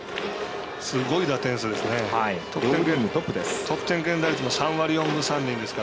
すごい打点数ですね。